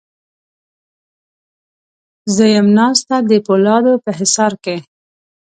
زه یم ناسته د پولادو په حصار کې